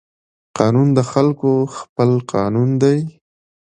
قانون د خلقو خپل قانون دى.